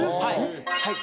はい。